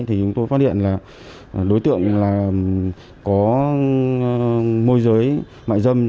thì chúng tôi phát hiện là đối tượng có môi giới mạng dâm